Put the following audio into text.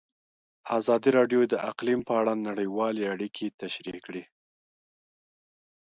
ازادي راډیو د اقلیم په اړه نړیوالې اړیکې تشریح کړي.